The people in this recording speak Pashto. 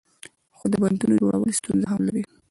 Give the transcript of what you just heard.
خو د بندونو جوړول ستونزې هم لري.